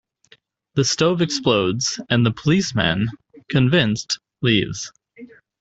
The stove explodes, and "the policeman", convinced, leaves.